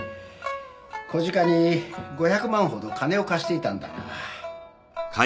小鹿に５００万ほど金を貸していたんだが。